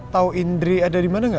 tahu indri ada di mana nggak